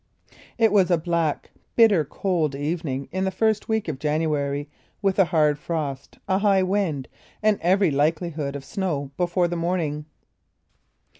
It was a black, bitter cold evening in the first week of January, with a hard frost, a high wind, and every likelihood of snow before the morning.